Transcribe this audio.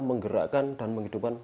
menggerakkan dan menghidupkan